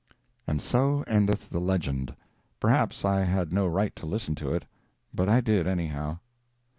And so endeth the legend. Perhaps I had no right to listen to it, but I did, anyhow.